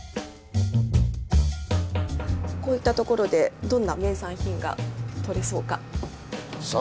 こういった所でどんな名産品がとれそうか。